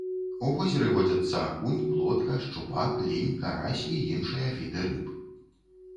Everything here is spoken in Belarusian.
У возеры водзяцца акунь, плотка, шчупак, лінь, карась і іншыя віды рыб.